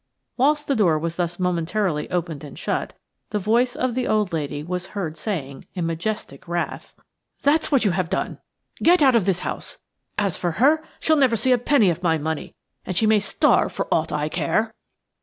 Whilst the door was thus momentarily opened and shut, the voice of the old lady was heard saying, in majestic wrath: "That's what you have done. Get out of this house. As for her, she'll never see a penny of my money, and she may starve for aught I care!"